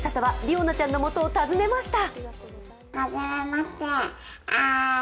おなちゃんのもとを訪ねました。